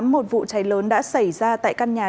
một vụ cháy lớn đã xảy ra tại căn nhà